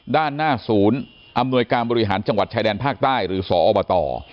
ด้านหน้าศูนย์อำนวยการบริหารจังหวัดชายแดนภาคใต้หรือสอบต